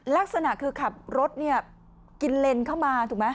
ลักษณะคือขับรถเนี่ยกินเลนเข้ามาถูกไหม